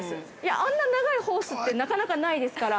あんな長いホースって、なかなかないですから。